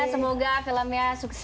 semoga filmnya sukses